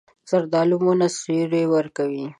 زردالو ونه سیوری ورکوي.